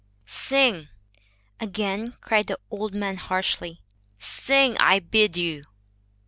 "Sing," again cried the old man, harshly; "sing, I bid you."